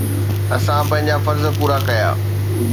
اسان پنهنجا فرض پورا ڪيا.